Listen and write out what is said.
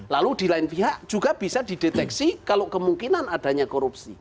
lalu di lain pihak juga bisa dideteksi kalau kemungkinan adanya korupsi